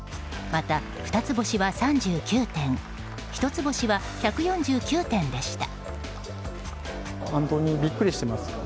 また、二つ星は３９店一つ星は１４９店でした。